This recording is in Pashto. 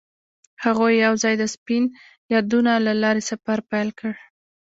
هغوی یوځای د سپین یادونه له لارې سفر پیل کړ.